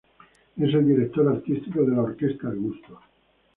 Es el director artístico de la Orquesta el Gusto.